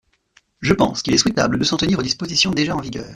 Je pense qu’il est souhaitable de s’en tenir aux dispositions déjà en vigueur.